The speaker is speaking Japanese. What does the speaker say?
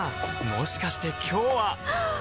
もしかして今日ははっ！